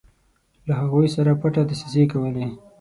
له هغوی سره پټې دسیسې کولې.